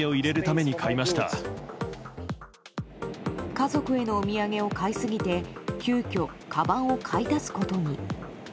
家族へのお土産を買いすぎて急きょ、かばんを買い足すことに。